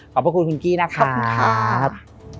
ขอบพระคุณคุณกี้นะครับ